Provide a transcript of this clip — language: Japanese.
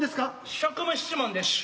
職務質問でしゅ。